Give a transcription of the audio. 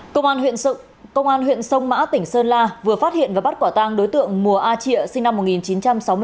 công an huyện sông mã tỉnh sơn la vừa phát hiện và bắt quả tăng đối tượng mùa a chịa sinh năm một nghìn chín trăm sáu mươi chín